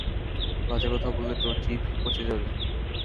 বাজে কথা বললে তোর জিভ পচে যাবে।